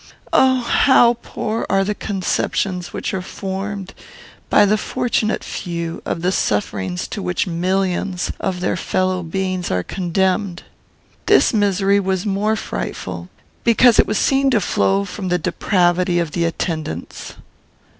"Oh! how poor are the conceptions which are formed, by the fortunate few, of the sufferings to which millions of their fellow beings are condemned. This misery was more frightful, because it was seen to flow from the depravity of the attendants.